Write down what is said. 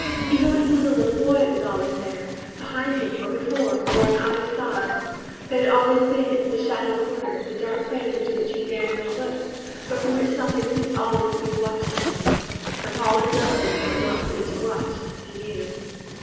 Even when he was a little boy it was always there behind him, or before, or on either side. There had always been the shadowed corner, the dark place into which he dared not look, but from which something seemed always to be watching him and Paul had done things that were not pretty to watch, he knew.